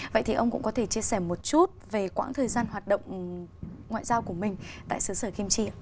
vậy thì ông cũng có thể chia sẻ một chút về quãng thời gian hoạt động ngoại giao của mình tại xứ sở kim chi ạ